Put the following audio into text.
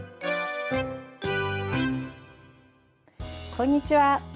こんにちは。